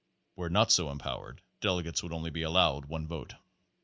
Where not so empowered delegates would only be al lowed one vote.